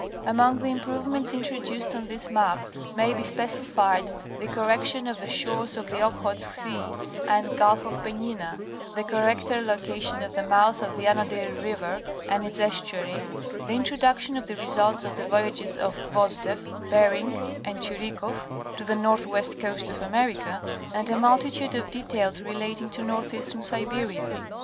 127 Among the improvements introduced on this map may be specified, the correction of the shores of the Okhotsk Sea, and Gulf of Penjina, the correcter location of the mouth of the Anadyr river and its estuary, the introduction of the results of the voyages of Gvosdeff, Bering and Chirikoff to the northwest coast of America, and a multitude of details relating to northeastern Siberia.